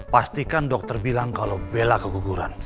pastikan dokter bilang kalau bela keguguran